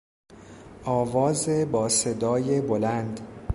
آواز با صدای بلند